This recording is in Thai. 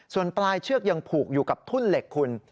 ส่วนปลายเชือกยังผูกอยู่กับทุ่นเหล็กคุณ